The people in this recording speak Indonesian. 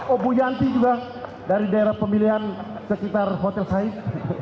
obu yanti juga dari daerah pemilihan sekitar hotel said